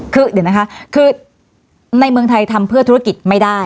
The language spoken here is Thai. คือเดี๋ยวนะคะคือในเมืองไทยทำเพื่อธุรกิจไม่ได้